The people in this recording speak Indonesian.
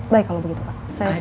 baik kalau begitu pak